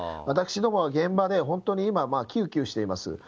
私どもは現場で本当に救急しています。